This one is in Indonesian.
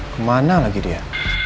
kemana lagi dia